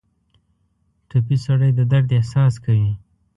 ټپي سړی د درد احساس کوي.